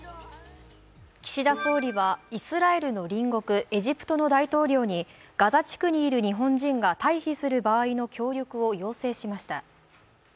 岸田総理はイスラエルの隣国エジプトの大統領にガザ地区にいる日本人が退避する場合の協力を要請しました。